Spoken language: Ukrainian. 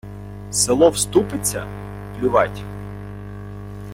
Село вступиться? Плювать.